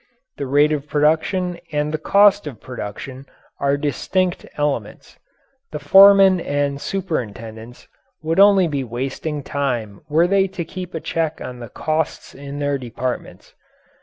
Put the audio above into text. The rate of production and the cost of production are distinct elements. The foremen and superintendents would only be wasting time were they to keep a check on the costs in their departments.